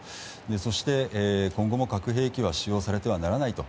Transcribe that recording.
そして、今後も核兵器は使用されてはならないと。